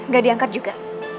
gak diangkat juga